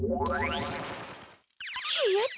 消えた？